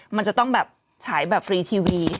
มันจะต้องแบบฉายแบบฟรีทีวี